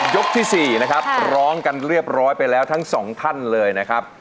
ยกที่๔ร้องกันเรียบร้อยไปแล้วทั้ง๒ท่านเลยนะครับ